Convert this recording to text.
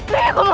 rai aku mau